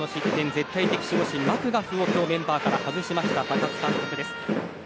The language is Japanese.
絶対的守護神のマクガフを今日メンバーから外した高津監督です。